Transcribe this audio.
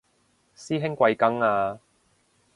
師兄貴庚啊